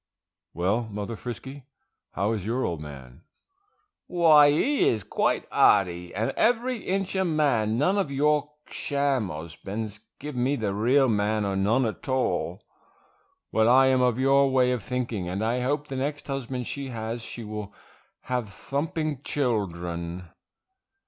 Well, Mother Frisky, how is your old man? Why he is quite hearty, and every inch a man, none of your sham husbands; give me the real man or none at all. Well, I am of your way of thinking, and I hope the next husband she has she will have thumping children.